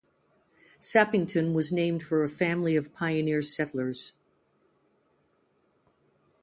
Sappington was named for a family of pioneer settlers.